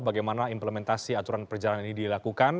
bagaimana implementasi aturan perjalanan ini dilakukan